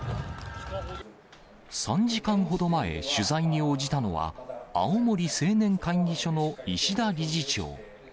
３時間ほど前、取材に応じたのは、青森青年会議所の石田理事長。